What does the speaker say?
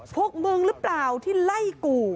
พวกมึงหรือเปล่าที่ไล่กู